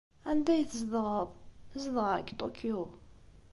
Anda ay tzedɣeḍ? Zedɣeɣ deg Tokyo.